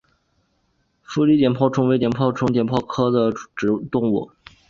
佛理碘泡虫为碘泡科碘泡虫属的动物。